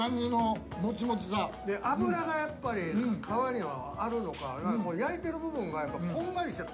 脂がやっぱり皮にはあるのか焼いている部分がこんがりしている。